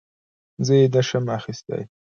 زه یې نه شم اخیستی .